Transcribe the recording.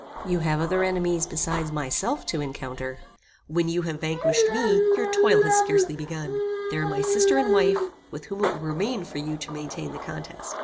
You have other enemies beside myself to encounter. When you have vanquished me, your toil has scarcely begun. There are my sister and wife, with whom it will remain for you to maintain the contest.